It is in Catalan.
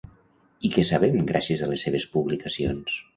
I què sabem gràcies a les seves publicacions?